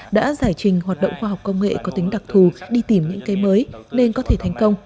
đã giải trình hoạt động khoa học công nghệ có tính đặc thù đi tìm những cây mới nên có thể thành công